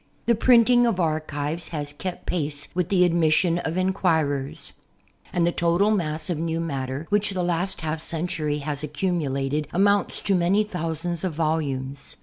The printing of archives has kept pace with the admission of enquirers ; and the total mass of new matter, which the last half century has accumulated, amounts to many thou .sands of volumes.